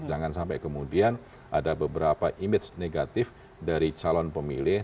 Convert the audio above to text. jangan sampai kemudian ada beberapa image negatif dari calon pemilih